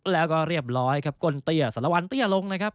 แล้วก็เรียบร้อยครับก้นเตี้ยสารวันเตี้ยลงนะครับ